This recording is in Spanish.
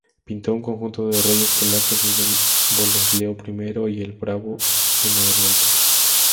Pintó un conjunto de reyes polacos, desde Boleslao I el Bravo en adelante.